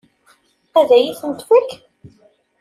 Ad iyi-tent-tefk?